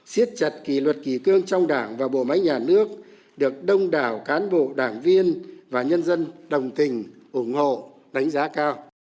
xiết chặt kỷ luật kỷ cương trong đảng và bộ máy nhà nước được đông đảo cán bộ đảng viên và nhân dân đồng tình ủng hộ đánh giá cao